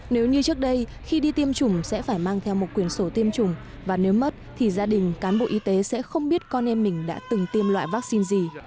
nếu như trước đây khi đi tiêm chủng sẽ phải mang theo một quyển sổ tiêm chủng và nếu mất thì gia đình cán bộ y tế sẽ không biết con em mình đã từng tiêm loại vaccine gì